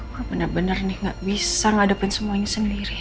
gue bener bener nih gak bisa ngadepin semuanya sendiri